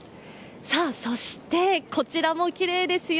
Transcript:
さあ、そしてこちらもきれいですよ